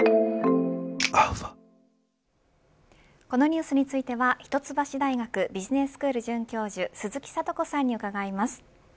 このニュースについては一橋大学ビジネススクール准教授鈴木智子さんに伺います。